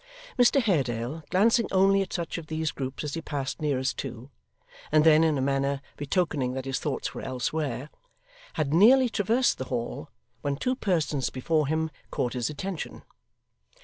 Mr Haredale, glancing only at such of these groups as he passed nearest to, and then in a manner betokening that his thoughts were elsewhere, had nearly traversed the Hall, when two persons before him caught his attention.